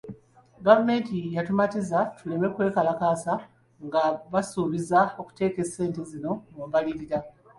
Gavumenti yatumatiza tuleme kwekalakaasa nga basuubizza okuteeka ssente zino mu mbalirira.